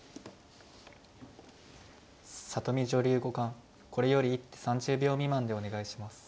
里見女流五冠これより一手３０秒未満でお願いします。